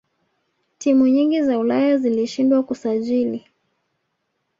timu nyingi za ulaya zilishindwa kusajili